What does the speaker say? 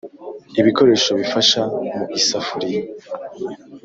ibikoresho bifasha mu isafuriya.